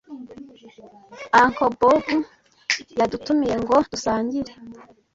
Uncle Bob yadutumiye ngo dusangire.